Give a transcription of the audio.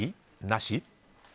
なし？